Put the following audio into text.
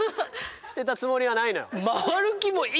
捨てたつもりはないのよ。